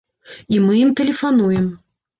І мы ім тэлефануем.